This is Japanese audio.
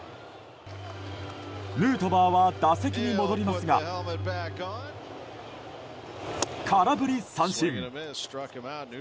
ヌートバーは打席に戻りますが空振り三振。